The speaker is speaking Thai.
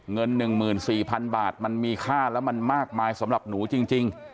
เงิน๑๔๐๐๐บาทมันมีค่าแล้วมันมากมายสำหรับหนูจริง